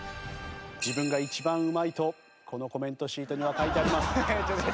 自分が一番うまいとこのコメントシートには書いてあります。